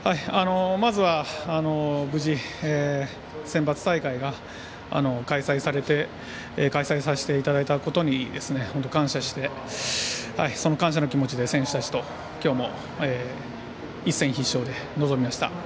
まずは無事センバツ大会が開催していただいたことに本当に感謝して、その感謝の気持ちで選手たちときょうも一戦必勝で臨みました。